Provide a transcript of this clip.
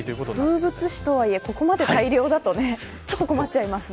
風物詩とはいえここまで大量だとちょっと困っちゃいますね。